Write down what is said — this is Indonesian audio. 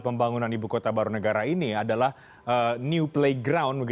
pembangunan ibu kota baru negara ini adalah new playground